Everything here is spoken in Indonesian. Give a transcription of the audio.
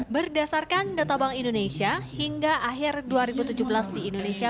berdasarkan data bank indonesia hingga akhir dua ribu tujuh belas di indonesia